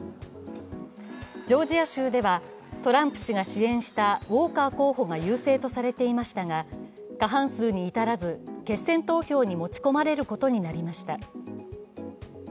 ジョージア州ではトランプ氏が支援したウォーカー候補が優勢とされていましたが過半数に至らず決選投票に持ち込まれることになりました。